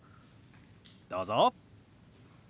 どうぞ。